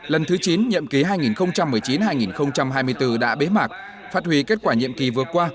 lần thứ chín nhiệm ký hai nghìn một mươi chín hai nghìn hai mươi bốn đã bế mạc phát huy kết quả nhiệm kỳ vừa qua